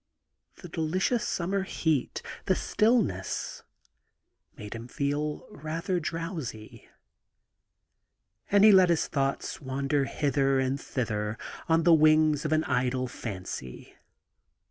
The delicious summer heat, the stillness, made him feel rather drowsy ; and he let his thoughts wander hither and thither on the wings of every idle fancy.